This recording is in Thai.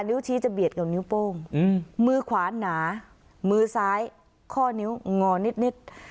ชี้จะเบียดกับนิ้วโป้งมือขวาหนามือซ้ายข้อนิ้วงอนิด